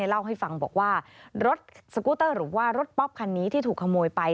เล่าให้ฟังบอกว่ารถสกูเตอร์หรือว่ารถป๊อปคันนี้ที่ถูกขโมยไป